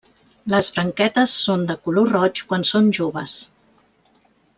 Les branquetes són de color roig quan són joves.